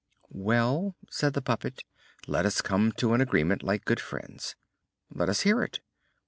"Well," said the puppet, "let us come to an agreement like good friends." "Let us hear it."